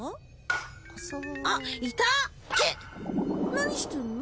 何してんの？